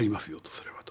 それはと。